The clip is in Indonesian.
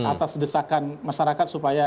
atas desakan masyarakat supaya